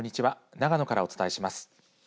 長野からお伝えします。